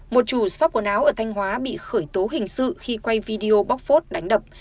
một chủ shop quần áo ở thanh hóa bị khởi tố hình sự khi quay video bóc phốt đánh đập